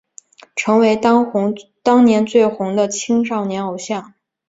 成为当年最红的青少年偶像。